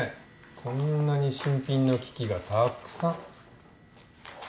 こんなに新品の機器がたくさん。